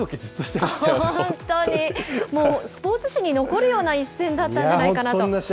もうスポーツ史に残るような一戦だったんじゃないかなと。